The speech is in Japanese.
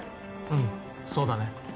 うんそうだね